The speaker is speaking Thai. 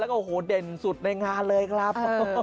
แล้วก็โอ้โหเด่นสุดในงานเลยครับ